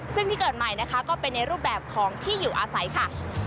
ซึ่งที่เกิดใหม่นะคะก็เป็นในรูปแบบของที่อยู่อาศัยค่ะ